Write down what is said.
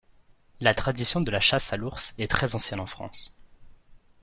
La tradition de la chasse à l'ours est très ancienne en France.